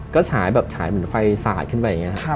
ก็สายเหมือนไฟสายขึ้นไปอย่างงี้